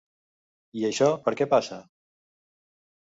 I això ¿per què passa?